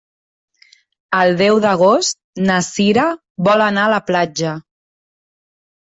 El deu d'agost na Cira vol anar a la platja.